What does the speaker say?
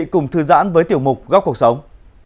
cùng thư giãn với tiểu mục góc cộc sống